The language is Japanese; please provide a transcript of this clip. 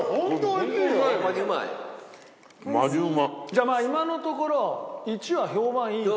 じゃあ今のところ１は評判いい。